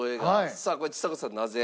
さあちさ子さんなぜ？